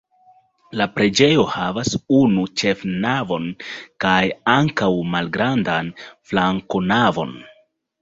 La preĝejo havas unu ĉefnavon kaj ankaŭ malgrandan flankonavon.